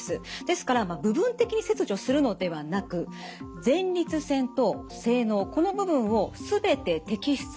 ですから部分的に切除するのではなく前立腺と精のうこの部分を全て摘出します。